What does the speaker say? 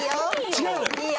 違うのよ。